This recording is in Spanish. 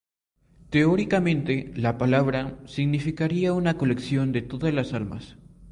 Teóricamente la palabra significaría una colección de todas las armas.